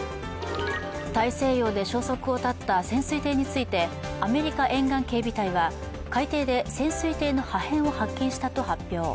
大西洋で消息を絶った潜水艇についてアメリカ沿岸警備隊は海底で潜水艇の破片を発見したと発表。